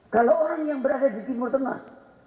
kalau orang yang berada di timur tengah